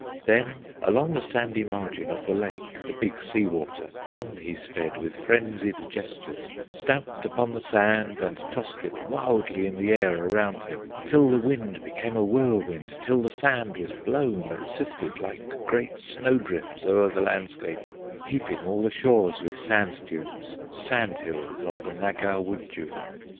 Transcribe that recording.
Then along the sandy margin Of the lake, the Big Sea Water, On he sped with frenzied gestures, Stamped upon the sand, and tossed it Wildly in the air around him; Till the wind became a whirlwind, Till the sand was blown and sifted Like great snowdrifts o'er the landscape, Heaping all the shores with Sand Dunes, Sand Hills of the Nagow Wudjoo!